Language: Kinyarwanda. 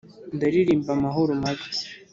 ndaririmba amahoro mabi